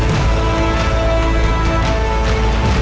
suara yang prendre ya ketawa